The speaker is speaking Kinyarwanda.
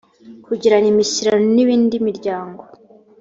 kugirana imishyikirano n indi miryango